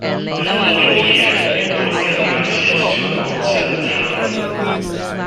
The following year, it was converted to a motor battalion.